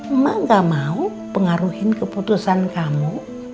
emak enggak mau pengaruhin keputusan kamu